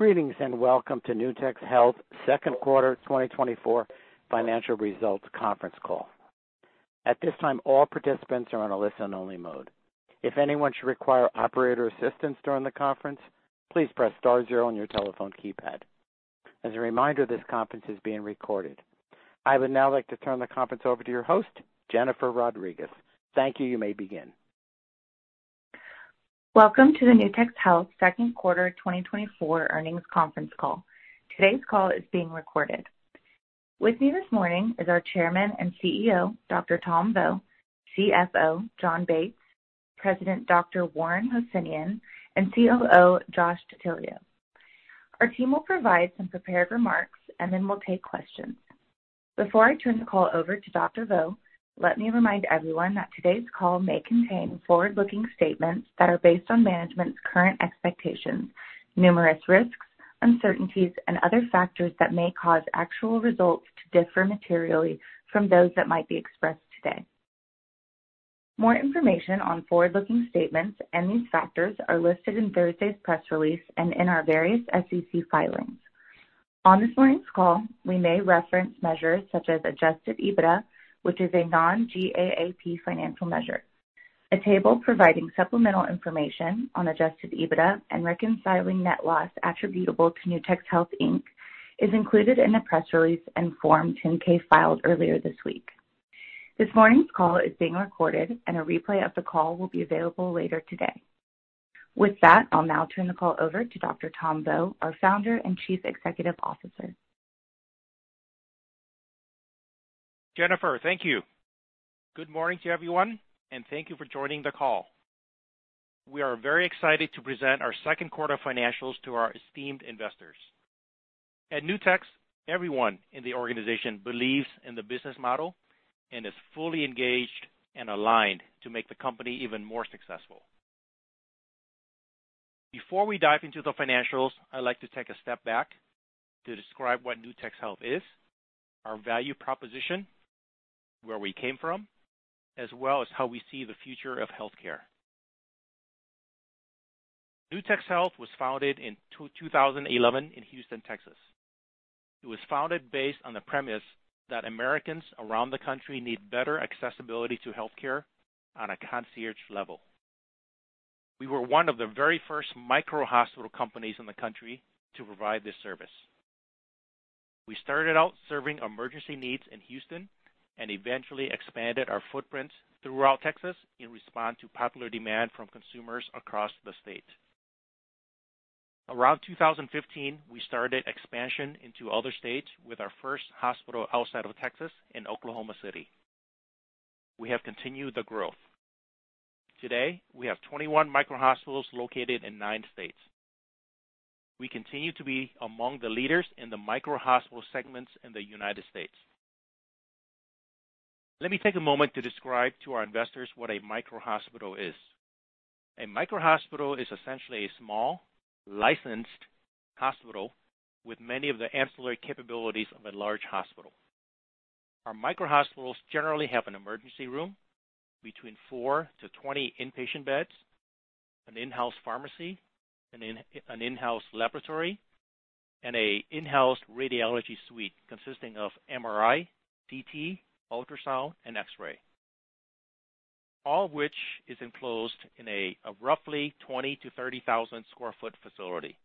Greetings, and welcome to Nutex Health Second Quarter 2024 Financial Results conference call. At this time, all participants are on a listen-only mode. If anyone should require operator assistance during the conference, please press star zero on your telephone keypad. As a reminder, this conference is being recorded. I would now like to turn the conference over to your host, Jennifer Rodriguez. Thank you. You may begin. Welcome to the Nutex Health Second Quarter 2024 Earnings Conference Call. Today's call is being recorded. With me this morning is our Chairman and CEO, Dr. Tom Vo, CFO, Jon Bates, President, Dr. Warren Hosseinion, and COO, Josh DeTillio. Our team will provide some prepared remarks and then we'll take questions. Before I turn the call over to Dr. Vo, let me remind everyone that today's call may contain forward-looking statements that are based on management's current expectations, numerous risks, uncertainties, and other factors that may cause actual results to differ materially from those that might be expressed today. More information on forward-looking statements and these factors are listed in Thursday's press release and in our various SEC filings. On this morning's call, we may reference measures such as Adjusted EBITDA, which is a non-GAAP financial measure. A table providing supplemental information on Adjusted EBITDA and reconciling net loss attributable to Nutex Health Inc is included in the press release and Form 10-K filed earlier this week. This morning's call is being recorded, and a replay of the call will be available later today. With that, I'll now turn the call over to Dr. Tom Vo, our Founder and Chief Executive Officer. Jennifer, thank you. Good morning to everyone, and thank you for joining the call. We are very excited to present our second quarter financials to our esteemed investors. At Nutex, everyone in the organization believes in the business model and is fully engaged and aligned to make the company even more successful. Before we dive into the financials, I'd like to take a step back to describe what Nutex Health is, our value proposition, where we came from, as well as how we see the future of healthcare. Nutex Health was founded in 2011 in Houston, Texas. It was founded based on the premise that Americans around the country need better accessibility to healthcare on a concierge level. We were one of the very first micro-hospital companies in the country to provide this service. We started out serving emergency needs in Houston and eventually expanded our footprint throughout Texas in response to popular demand from consumers across the state. Around 2015, we started expansion into other states with our first hospital outside of Texas in Oklahoma City. We have continued the growth. Today, we have 21 micro-hospitals located in nine states. We continue to be among the leaders in the micro-hospital segments in the United States. Let me take a moment to describe to our investors what a micro-hospital is. A micro-hospital is essentially a small, licensed hospital with many of the ancillary capabilities of a large hospital. Our micro-hospitals generally have an emergency room between 4-20 inpatient beds, an in-house pharmacy, an in-house laboratory, and an in-house radiology suite consisting of MRI, CT, ultrasound, and X-ray, all which is enclosed in a roughly 20,000-30,000 sq ft facility.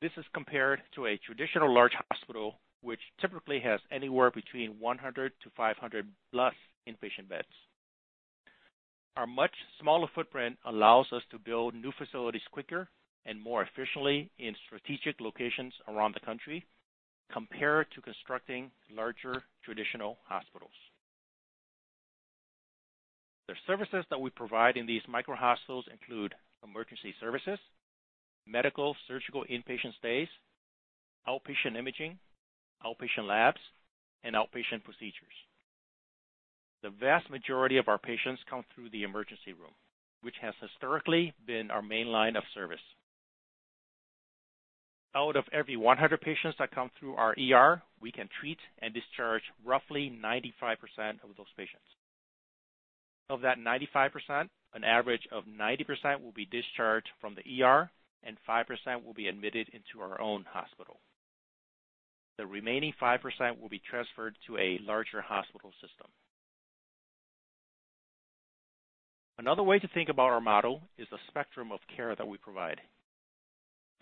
This is compared to a traditional large hospital, which typically has anywhere between 100-500+ inpatient beds. Our much smaller footprint allows us to build new facilities quicker and more efficiently in strategic locations around the country, compared to constructing larger traditional hospitals. The services that we provide in these micro-hospitals include emergency services, medical, surgical, inpatient stays, outpatient imaging, outpatient labs, and outpatient procedures. The vast majority of our patients come through the emergency room, which has historically been our main line of service. Out of every 100 patients that come through our ER, we can treat and discharge roughly 95% of those patients. Of that 95%, an average of 90% will be discharged from the ER, and 5% will be admitted into our own hospital. The remaining 5% will be transferred to a larger hospital system. Another way to think about our model is the spectrum of care that we provide.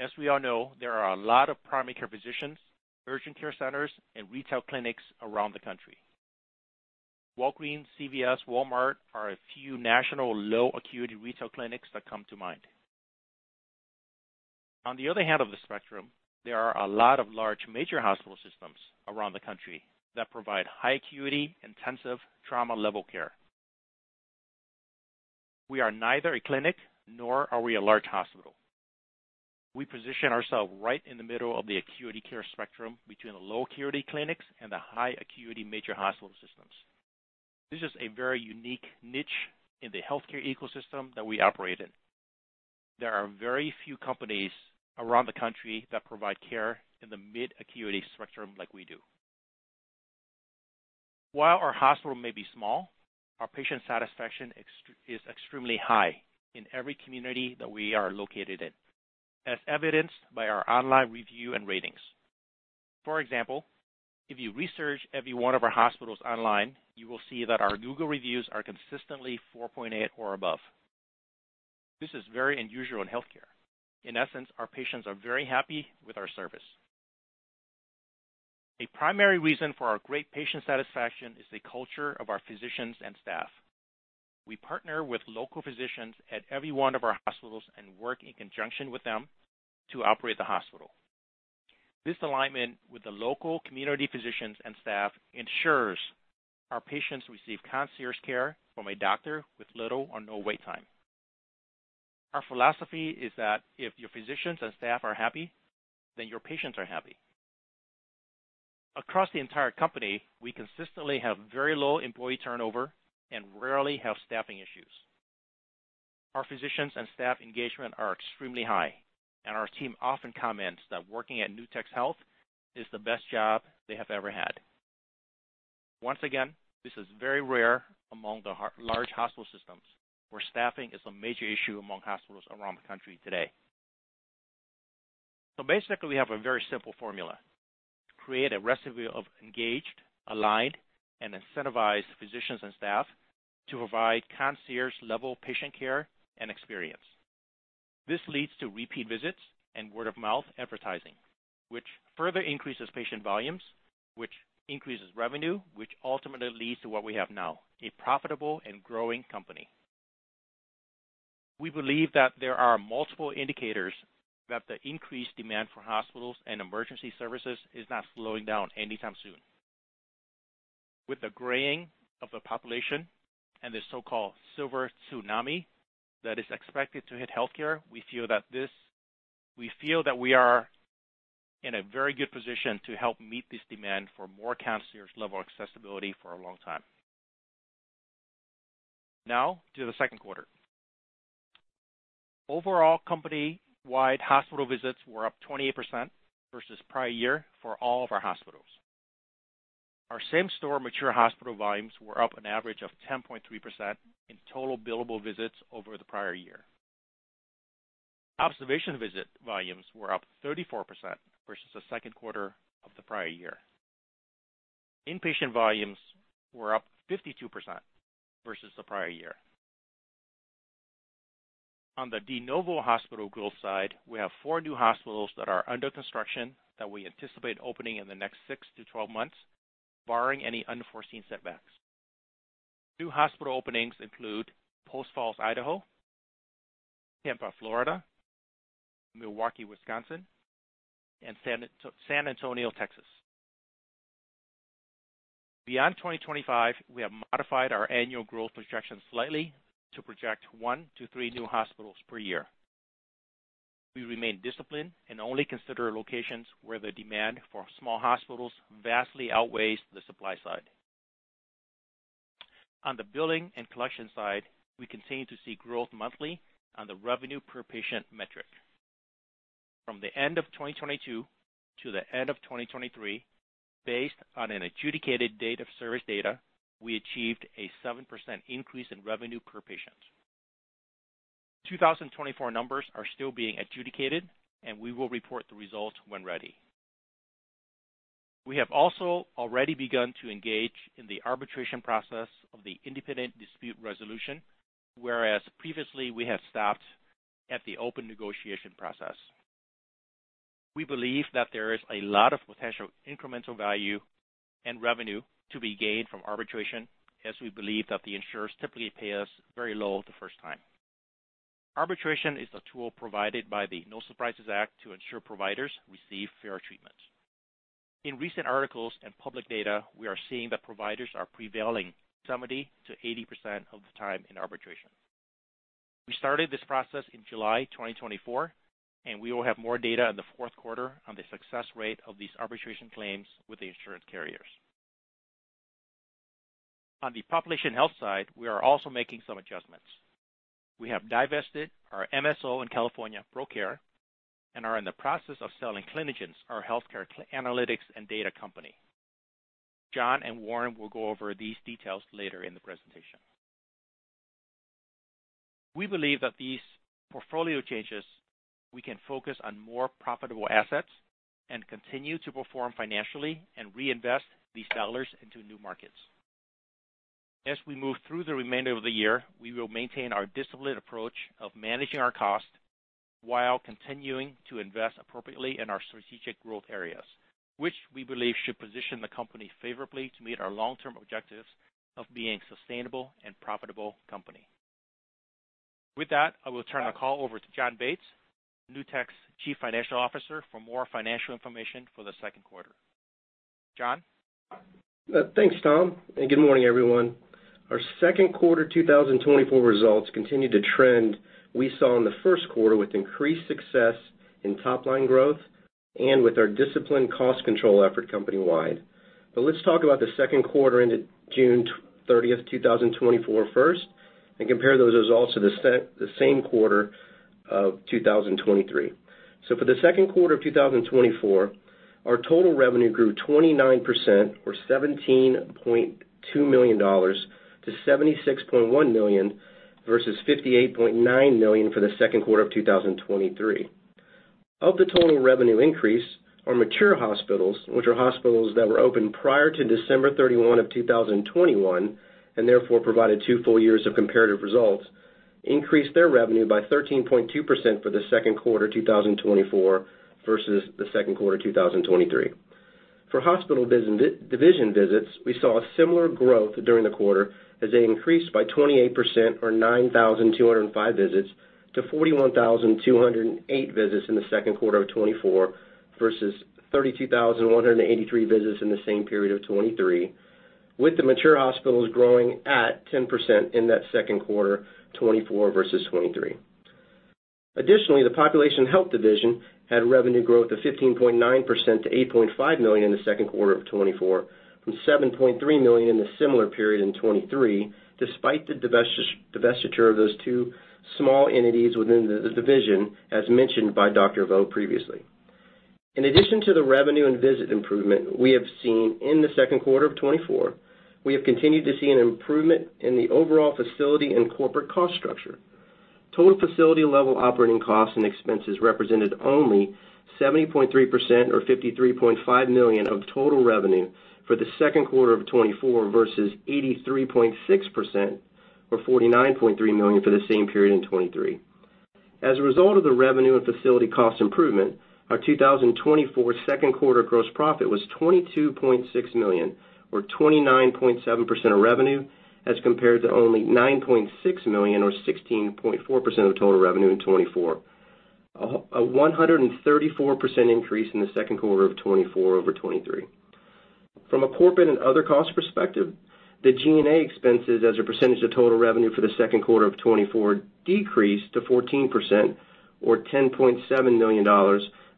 As we all know, there are a lot of primary care physicians, urgent care centers, and retail clinics around the country. Walgreens, CVS, Walmart are a few national low acuity retail clinics that come to mind. On the other hand of the spectrum, there are a lot of large major hospital systems around the country that provide high acuity, intensive trauma-level care. We are neither a clinic nor are we a large hospital. We position ourselves right in the middle of the acuity care spectrum between the low acuity clinics and the high acuity major hospital systems. This is a very unique niche in the healthcare ecosystem that we operate in. There are very few companies around the country that provide care in the mid acuity spectrum like we do. While our hospital may be small, our patient satisfaction is extremely high in every community that we are located in, as evidenced by our online review and ratings. For example, if you research every one of our hospitals online, you will see that our Google reviews are consistently 4.8 or above. This is very unusual in healthcare. In essence, our patients are very happy with our service. A primary reason for our great patient satisfaction is the culture of our physicians and staff. We partner with local physicians at every one of our hospitals and work in conjunction with them to operate the hospital. This alignment with the local community physicians and staff ensures our patients receive concierge care from a doctor with little or no wait time. Our philosophy is that if your physicians and staff are happy, then your patients are happy. Across the entire company, we consistently have very low employee turnover and rarely have staffing issues. Our physicians and staff engagement are extremely high, and our team often comments that working at Nutex Health is the best job they have ever had. Once again, this is very rare among the large hospital systems, where staffing is a major issue among hospitals around the country today. So basically, we have a very simple formula: create a recipe of engaged, aligned, and incentivized physicians and staff to provide concierge-level patient care and experience. This leads to repeat visits and word-of-mouth advertising, which further increases patient volumes, which increases revenue, which ultimately leads to what we have now, a profitable and growing company. We believe that there are multiple indicators that the increased demand for hospitals and emergency services is not slowing down anytime soon. With the graying of the population and the so-called silver tsunami that is expected to hit healthcare, we feel that we are in a very good position to help meet this demand for more concierge-level accessibility for a long time. Now to the second quarter. Overall, company-wide hospital visits were up 28% versus prior year for all of our hospitals. Our same-store mature hospital volumes were up an average of 10.3% in total billable visits over the prior year. Observation visit volumes were up 34% versus the second quarter of the prior year. Inpatient volumes were up 52% versus the prior year. On the de novo hospital growth side, we have 4 new hospitals that are under construction that we anticipate opening in the next six to 12 months, barring any unforeseen setbacks. New hospital openings include Post Falls, Idaho, Tampa, Florida, Milwaukee, Wisconsin, and San Antonio, Texas. Beyond 2025, we have modified our annual growth projection slightly to project one to three new hospitals per year. We remain disciplined and only consider locations where the demand for small hospitals vastly outweighs the supply side. On the billing and collection side, we continue to see growth monthly on the revenue per patient metric. From the end of 2022 to the end of 2023, based on an adjudicated date of service data, we achieved a 7% increase in revenue per patient. 2024 numbers are still being adjudicated, and we will report the results when ready. We have also already begun to engage in the arbitration process of the Independent Dispute Resolution, whereas previously we had stopped at the open negotiation process. We believe that there is a lot of potential incremental value and revenue to be gained from arbitration, as we believe that the insurers typically pay us very low the first time. Arbitration is a tool provided by the No Surprises Act to ensure providers receive fair treatment. In recent articles and public data, we are seeing that providers are prevailing 70%-80% of the time in arbitration. We started this process in July 2024, and we will have more data in the fourth quarter on the success rate of these arbitration claims with the insurance carriers. On the population health side, we are also making some adjustments. We have divested our MSO in California, ProCare, and are in the process of selling Clinigence, our healthcare analytics and data company. Jon and Warren will go over these details later in the presentation. We believe that these portfolio changes, we can focus on more profitable assets and continue to perform financially and reinvest these sellers into new markets. As we move through the remainder of the year, we will maintain our disciplined approach of managing our costs while continuing to invest appropriately in our strategic growth areas, which we believe should position the company favorably to meet our long-term objectives of being a sustainable and profitable company. With that, I will turn the call over to Jon Bates, Nutex's Chief Financial Officer, for more financial information for the second quarter. Jon? Thanks, Tom, and good morning, everyone. Our second quarter 2024 results continue to trend we saw in the first quarter, with increased success in top-line growth and with our disciplined cost control effort company-wide. But let's talk about the second quarter ended June 30, 2024 first, and compare those results to the same, the same quarter of 2023. So for the second quarter of 2024, our total revenue grew 29% or $17.2 million to $76.1 million, versus $58.9 million for the second quarter of 2023. Of the total revenue increase, our mature hospitals, which are hospitals that were open prior to December 31 of 2021, and therefore provided two full years of comparative results, increased their revenue by 13.2% for the second quarter 2024 versus the second quarter 2023. For hospital visit division visits, we saw a similar growth during the quarter as they increased by 28% or 9,205 visits to 41,208 visits in the second quarter of 2024 versus 32,183 visits in the same period of 2023, with the mature hospitals growing at 10% in that second quarter 2024 versus 2023. Additionally, the population health division had revenue growth of 15.9% to $8.5 million in the second quarter of 2024, from $7.3 million in the similar period in 2023, despite the divestiture of those two small entities within the division, as mentioned by Dr. Vo previously. In addition to the revenue and visit improvement we have seen in the second quarter of 2024, we have continued to see an improvement in the overall facility and corporate cost structure. Total facility level operating costs and expenses represented only 70.3% or $53.5 million of total revenue for the second quarter of 2024, versus 83.6% or $49.3 million for the same period in 2023. As a result of the revenue and facility cost improvement, our 2024 second quarter gross profit was $22.6 million, or 29.7% of revenue, as compared to only $9.6 million, or 16.4% of total revenue in 2024. 134% increase in the second quarter of 2024 over 2023. From a corporate and other cost perspective, the G&A expenses as a percentage of total revenue for the second quarter of 2024 decreased to 14% or $10.7 million,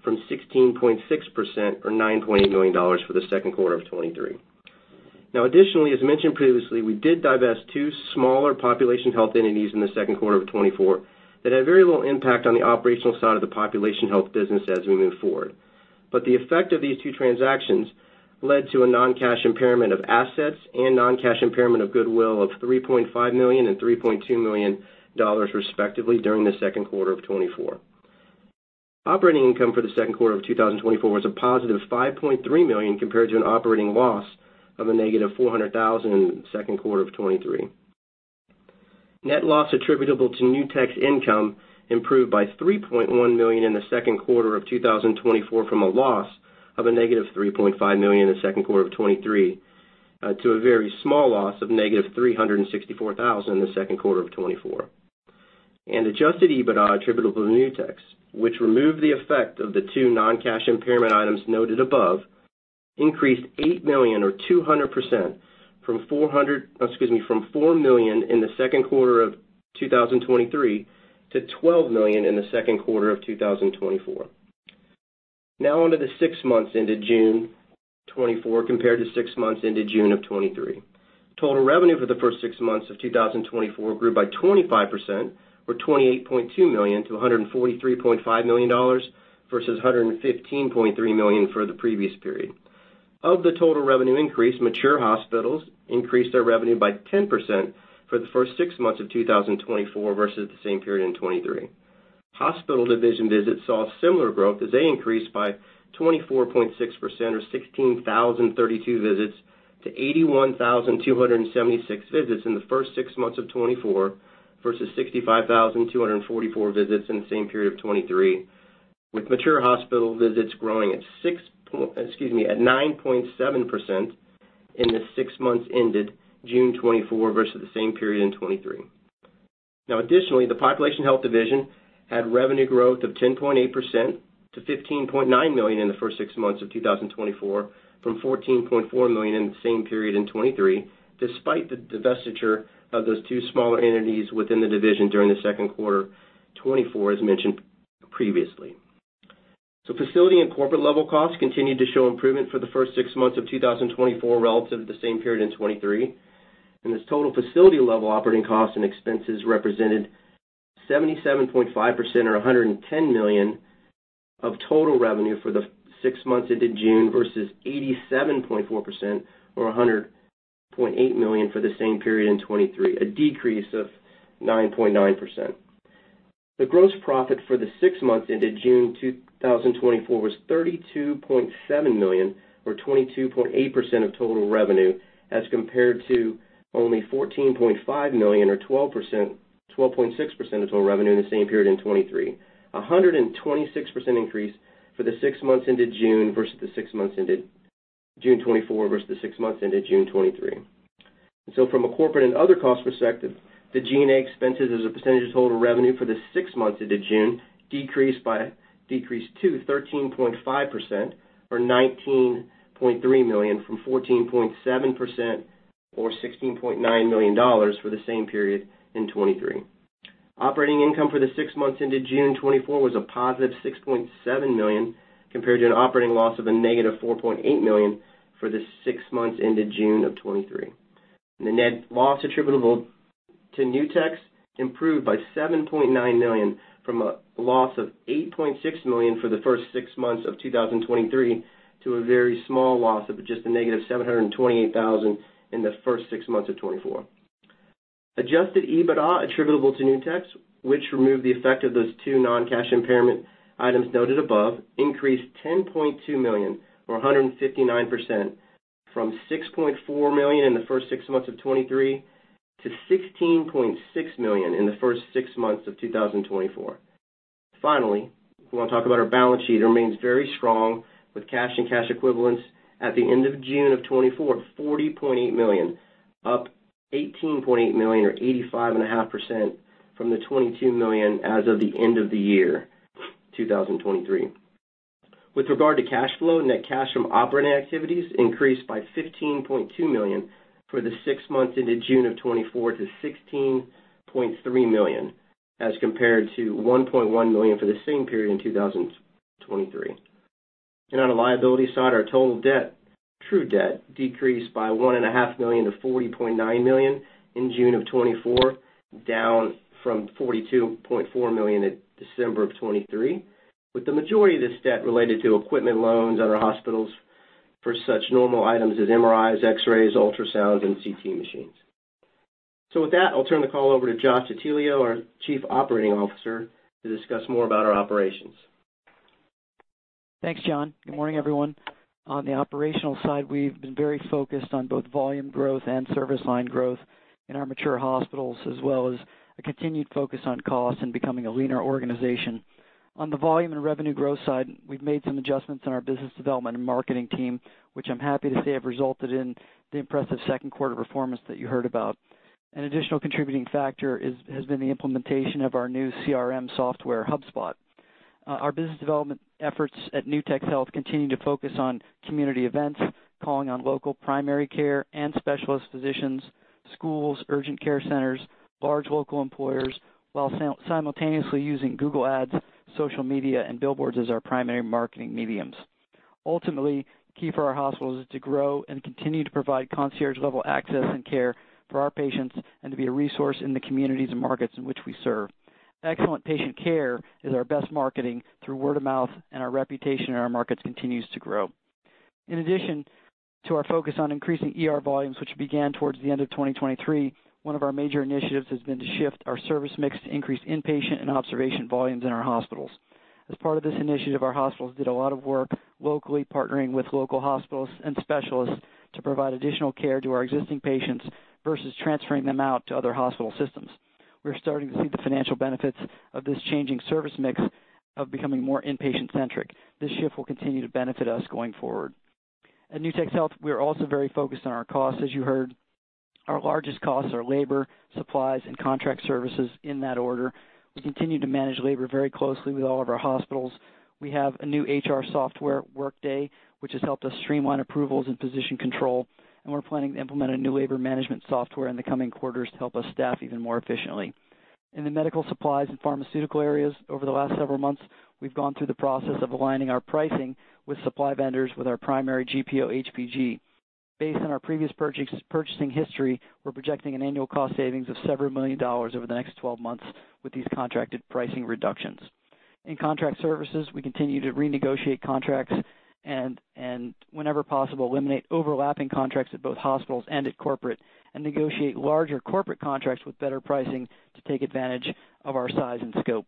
from 16.6% or $9.8 million for the second quarter of 2023. Now additionally, as mentioned previously, we did divest two smaller population health entities in the second quarter of 2024, that had very little impact on the operational side of the population health business as we move forward. But the effect of these two transactions led to a non-cash impairment of assets and non-cash impairment of goodwill of $3.5 million and $3.2 million, respectively, during the second quarter of 2024. Operating income for the second quarter of 2024 was a +$5.3 million, compared to an operating loss of a -$400,000 in the second quarter of 2023. Net loss attributable to Nutex's income improved by $3.1 million in the second quarter of 2024, from a loss of -$3.5 million in the second quarter of 2023, to a very small loss of -$364,000 in the second quarter of 2024. Adjusted EBITDA attributable to Nutex, which removed the effect of the two non-cash impairment items noted above, increased $8 million or 200%, from $400,000, excuse me, from $4 million in the second quarter of 2023 to $12 million in the second quarter of 2024. Now on to the six months ended June 2024, compared to six months ended June of 2023. Total revenue for the first six months of 2024 grew by 25% or $28.2 million to $143.5 million, versus $115.3 million for the previous period. Of the total revenue increase, mature hospitals increased their revenue by 10% for the first six months of 2024 versus the same period in 2023. Hospital division visits saw similar growth as they increased by 24.6% or 16,032 visits to 81,276 visits in the first six months of 2024, versus 65,244 visits in the same period of 2023, with mature hospital visits growing at six point, excuse me, at 9.7% in the six months ended June 2024 versus the same period in 2023. Now additionally, the population health division had revenue growth of 10.8% to $15.9 million in the first six months of 2024, from $14.4 million in the same period in 2023, despite the divestiture of those two smaller entities within the division during the second quarter of 2024, as mentioned previously. So facility and corporate level costs continued to show improvement for the first six months of 2024 relative to the same period in 2023. And this total facility level operating costs and expenses represented 77.5% or $110 million of total revenue for the six months ended June, versus 87.4% or $100.8 million for the same period in 2023, a decrease of 9.9%. The gross profit for the six months ended June 2024 was $32.7 million or 22.8% of total revenue, as compared to only $14.5 million or 12.6% of total revenue in the same period in 2023. A 126% increase for the six months ended June versus the six months ended June 2024, versus the six months ended June 2023. So from a corporate and other cost perspective, the G&A expenses as a percentage of total revenue for the six months ended June decreased to 13.5% or $19.3 million, from 14.7% or $16.9 million for the same period in 2023. Operating income for the six months ended June 2024 was a + $6.7 million, compared to an operating loss of a -$4.8 million for the six months ended June 2023. The net loss attributable to Nutex's improved by $7.9 million, from a loss of $8.6 million for the first six months of 2023, to a very small loss of just a -$728,000 in the first six months of 2024. Adjusted EBITDA attributable to Nutex's, which removed the effect of those two non-cash impairment items noted above, increased $10.2 million, or 159%, from $6.4 million in the first six months of 2023, to $16.6 million in the first six months of 2024. Finally, we want to talk about our balance sheet. It remains very strong, with cash and cash equivalents at the end of June 2024 of $40.8 million, up $18.8 million, or 85.5% from the $22 million as of the end of 2023. With regard to cash flow, net cash from operating activities increased by $15.2 million for the six months into June 2024 to $16.3 million, as compared to $1.1 million for the same period in 2023. On the liability side, our total debt, true debt, decreased by $1.5 million to $40.9 million in June of 2024, down from $42.4 million at December of 2023, with the majority of this debt related to equipment loans at our hospitals for such normal items as MRIs, X-rays, ultrasounds, and CT machines. So with that, I'll turn the call over to Joshua DeTillio, our Chief Operating Officer, to discuss more about our operations. Thanks, Jon. Good morning, everyone. On the operational side, we've been very focused on both volume growth and service line growth in our mature hospitals, as well as a continued focus on cost and becoming a leaner organization. On the volume and revenue growth side, we've made some adjustments in our business development and marketing team, which I'm happy to say have resulted in the impressive second quarter performance that you heard about. An additional contributing factor has been the implementation of our new CRM software, HubSpot. Our business development efforts at Nutex Health continue to focus on community events, calling on local primary care and specialist physicians, schools, urgent care centers, large local employers, while simultaneously using Google Ads, social media, and billboards as our primary marketing mediums. Ultimately, key for our hospitals is to grow and continue to provide concierge-level access and care for our patients and to be a resource in the communities and markets in which we serve. Excellent patient care is our best marketing through word-of-mouth, and our reputation in our markets continues to grow. In addition to our focus on increasing ER volumes, which began towards the end of 2023, one of our major initiatives has been to shift our service mix to increase inpatient and observation volumes in our hospitals. As part of this initiative, our hospitals did a lot of work locally, partnering with local hospitals and specialists to provide additional care to our existing patients versus transferring them out to other hospital systems. We're starting to see the financial benefits of this changing service mix of becoming more inpatient-centric. This shift will continue to benefit us going forward. At Nutex Health, we are also very focused on our costs, as you heard. Our largest costs are labor, supplies, and contract services in that order. We continue to manage labor very closely with all of our hospitals. We have a new HR software, Workday, which has helped us streamline approvals and position control, and we're planning to implement a new labor management software in the coming quarters to help us staff even more efficiently. In the medical supplies and pharmaceutical areas over the last several months, we've gone through the process of aligning our pricing with supply vendors with our primary GPO, HPG. Based on our previous purchasing history, we're projecting an annual cost savings of several million over the next 12 months with these contracted pricing reductions. In contract services, we continue to renegotiate contracts and whenever possible, eliminate overlapping contracts at both hospitals and at corporate, and negotiate larger corporate contracts with better pricing to take advantage of our size and scope.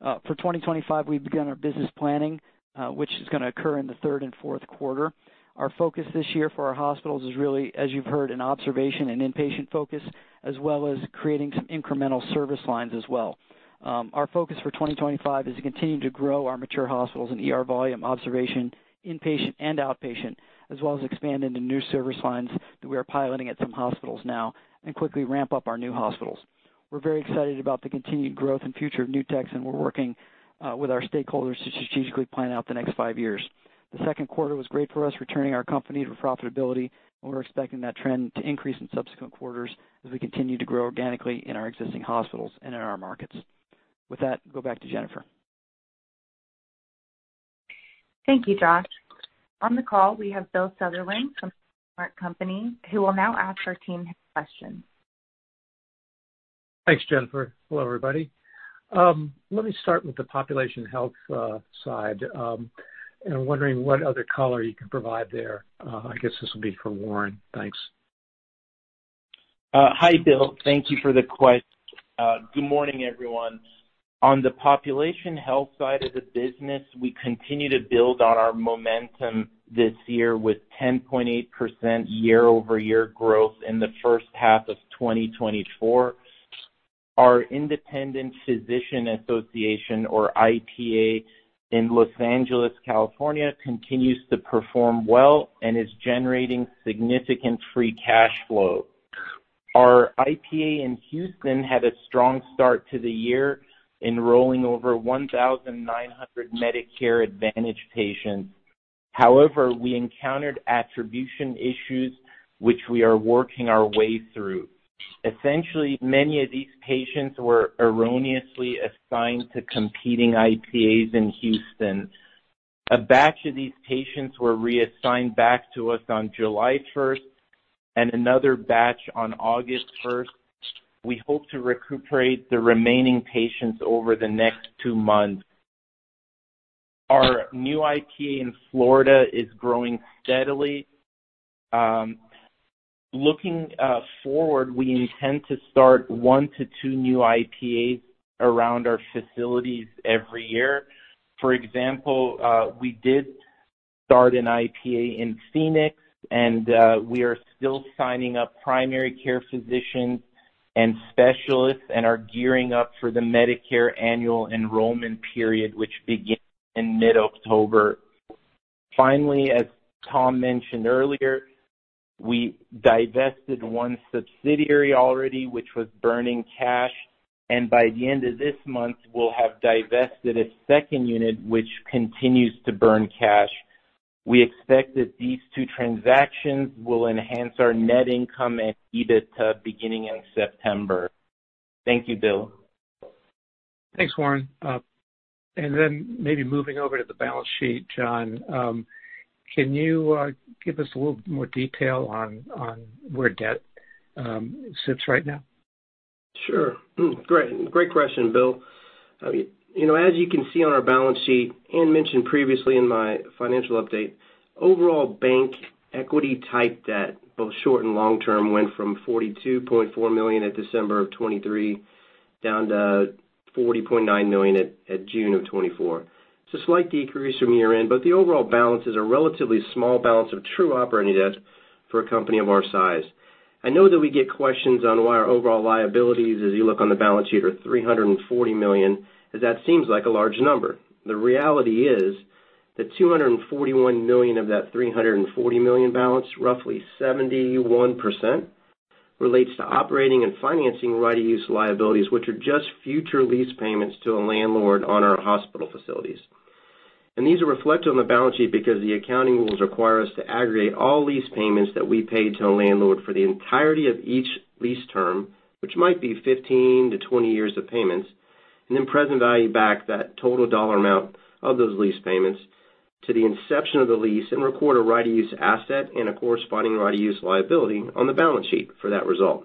For 2025, we've begun our business planning, which is gonna occur in the third and fourth quarter. Our focus this year for our hospitals is really, as you've heard, an observation and inpatient focus, as well as creating some incremental service lines as well. Our focus for 2025 is to continue to grow our mature hospitals and ER volume observation, inpatient and outpatient, as well as expand into new service lines that we are piloting at some hospitals now and quickly ramp up our new hospitals. We're very excited about the continued growth and future of Nutex, and we're working with our stakeholders to strategically plan out the next five years. The second quarter was great for us, returning our company to profitability, and we're expecting that trend to increase in subsequent quarters as we continue to grow organically in our existing hospitals and in our markets. With that, go back to Jennifer. Thank you, Josh. On the call, we have Bill Sutherland from The Benchmark Company, who will now ask our team questions. Thanks, Jennifer. Hello, everybody. Let me start with the population health side. And I'm wondering what other color you can provide there. I guess this will be for Warren. Thanks. Hi, Bill. Thank you for the question, good morning, everyone. On the population health side of the business, we continue to build on our momentum this year with 10.8% year-over-year growth in the first half of 2024. Our Independent Physician Association, or IPA, in Los Angeles, California, continues to perform well and is generating significant free cash flow. Our IPA in Houston had a strong start to the year, enrolling over 1,900 Medicare Advantage patients. However, we encountered attribution issues which we are working our way through. Essentially, many of these patients were erroneously assigned to competing IPAs in Houston. A batch of these patients were reassigned back to us on July first and another batch on August first. We hope to recuperate the remaining patients over the next two months. Our new IPA in Florida is growing steadily. Looking forward, we intend to start 1-2 new IPAs around our facilities every year. For example, we did start an IPA in Phoenix, and we are still signing up primary care physicians and specialists and are gearing up for the Medicare annual enrollment period, which begins in mid-October. Finally, as Tom mentioned earlier, we divested one subsidiary already, which was burning cash, and by the end of this month, we'll have divested a second unit, which continues to burn cash. We expect that these two transactions will enhance our net income and EBITDA beginning in September. Thank you, Bill. Thanks, Warren. And then maybe moving over to the balance sheet, Jon, can you give us a little more detail on where debt sits right now? Sure. Great, great question, Bill. You know, as you can see on our balance sheet, and mentioned previously in my financial update, overall bank equity type debt, both short- and long-term, went from $42.4 million at December of 2023, down to $40.9 million at June of 2024. It's a slight decrease from year-end, but the overall balance is a relatively small balance of true operating debt for a company of our size. I know that we get questions on why our overall liabilities, as you look on the balance sheet, are $340 million, as that seems like a large number. The reality is that $241 million of that $340 million balance, roughly 71%, relates to operating and financing right-of-use liabilities, which are just future lease payments to a landlord on our hospital facilities. These are reflected on the balance sheet because the accounting rules require us to aggregate all lease payments that we pay to a landlord for the entirety of each lease term, which might be 15-20 years of payments, and then present value back that total dollar amount of those lease payments to the inception of the lease and record a right-of-use asset and a corresponding right-of-use liability on the balance sheet for that result,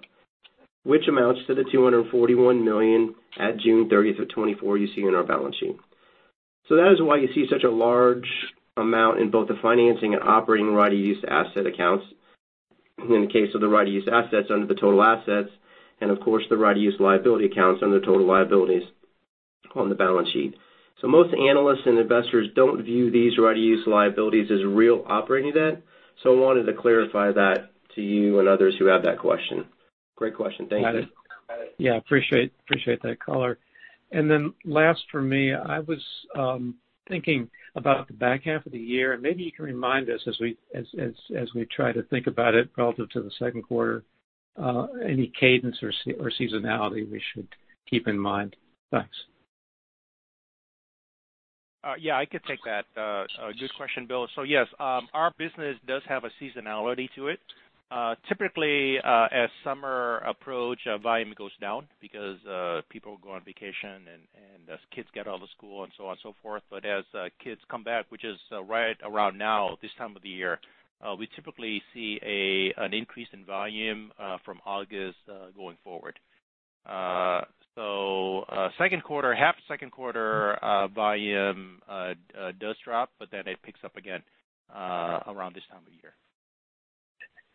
which amounts to the $241 million at June 30, 2024 you see in our balance sheet. So that is why you see such a large amount in both the financing and operating right-of-use asset accounts. In the case of the right-of-use assets, under the total assets, and of course, the right-of-use liability accounts under the total liabilities on the balance sheet. So most analysts and investors don't view these right-of-use liabilities as real operating debt, so I wanted to clarify that to you and others who have that question. Great question. Thank you. Got it. Yeah, appreciate, appreciate that color. Then last for me, I was thinking about the back half of the year, and maybe you can remind us as we try to think about it relative to the second quarter, any cadence or seasonality we should keep in mind. Thanks. Yeah, I could take that. Good question, Bill. So yes, our business does have a seasonality to it. Typically, as summer approach, volume goes down because people go on vacation and as kids get out of school and so on and so forth. But as kids come back, which is right around now, this time of the year, we typically see an increase in volume from August going forward. So second quarter, half second quarter, volume does drop, but then it picks up again around this time of year.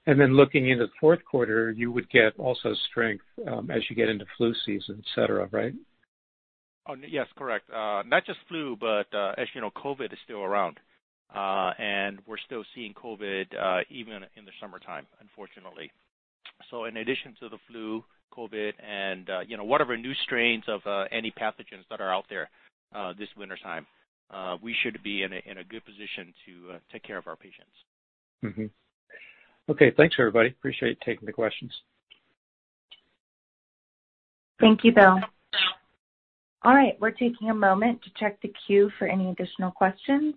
And then looking into the fourth quarter, you would get also strength, as you get into flu season, et cetera, right? Oh, yes, correct. Not just flu, but, as you know, COVID is still around. And we're still seeing COVID, even in the summertime, unfortunately. So in addition to the flu, COVID, and, you know, whatever new strains of any pathogens that are out there, this wintertime, we should be in a good position to take care of our patients. Mm-hmm. Okay, thanks, everybody. Appreciate you taking the questions. Thank you, Bill. All right, we're taking a moment to check the queue for any additional questions.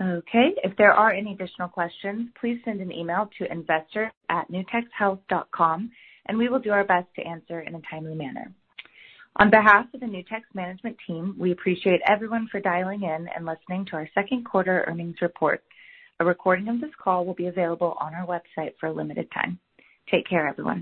Okay, if there are any additional questions, please send an email to investor@nutexhealth.com, and we will do our best to answer in a timely manner. On behalf of Nutex's management team, we appreciate everyone for dialing in and listening to our second quarter earnings report. A recording of this call will be available on our website for a limited time. Take care, everyone.